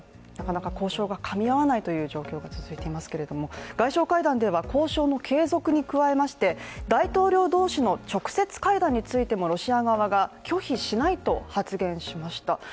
なかなか交渉はかみ合わないという状況が続いていますけど、外相会談では交渉の継続に加えまして大統領同士の直接会談についてもロシア側が拒否しないと回答しました。